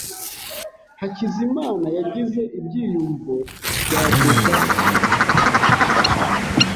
Hakizimana yagize ibyiyumvo bya deja vu.